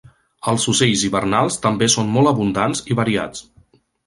Els ocells hivernals també són molt abundants i variats.